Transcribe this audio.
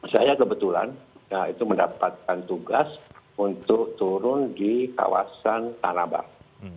saya kebetulan ya itu mendapatkan tugas untuk turun di kawasan tanabang